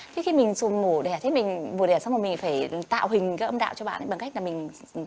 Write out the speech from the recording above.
thế khi mình mổ đẻ thế mình mổ đẻ xong rồi mình phải tạo hình cái âm đạo cho bạn ấy bằng cách là mình